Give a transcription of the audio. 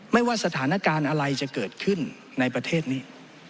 ไม่ว่าสถานการณ์อะไรจะเกิดขึ้นในประเทศนี้